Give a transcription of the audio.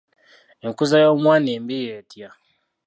Enkuza y'omwana embi y'etya?